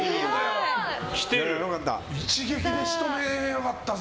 一撃で仕留めやがったぜ。